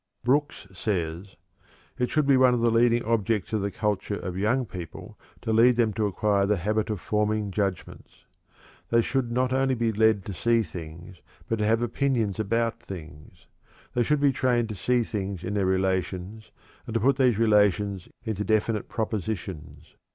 Brooks says: "It should be one of the leading objects of the culture of young people to lead them to acquire the habit of forming judgments. They should not only be led to see things but to have opinions about things. They should be trained to see things in their relations and to put these relations into definite propositions.